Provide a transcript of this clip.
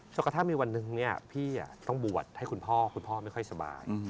กระทั่งมีวันหนึ่งพี่ต้องบวชให้คุณพ่อคุณพ่อไม่ค่อยสบาย